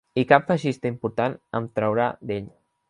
I cap feixista importat em traurà d'ell.